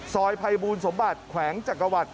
ซอยภัยบูรณ์สมบัติขวังจักรวรรดิ